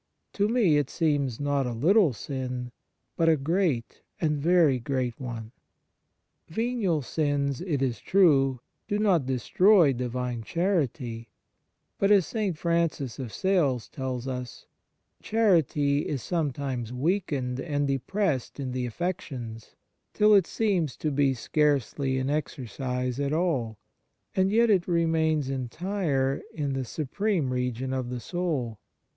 To me it seems not a little sin, but a great and very great one." Venial sins, it is true, do not destroy Divine charity; but, as St. Francis of Sales tells us, " charity is sometimes weakened and depressed in the affections, till it seems to be scarcely in exercise at all, and yet it remains entire in the supreme region of the soul.